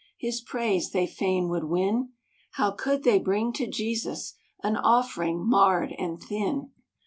His praise they fain would win; How could they bring to Jesus An offering marred and thin?